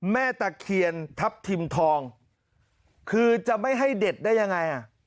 ตะเคียนทัพทิมทองคือจะไม่ให้เด็ดได้ยังไงอ่ะ